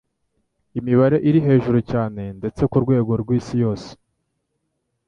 Imibare iri hejuru cyane ndetse ku rwego rw'Isi yose